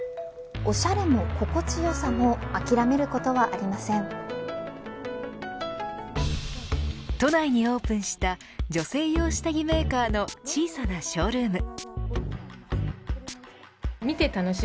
おしゃれも心地よさも都内にオープンした女性用下着メーカーの小さなショールーム。